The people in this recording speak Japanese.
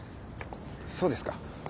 そうですか。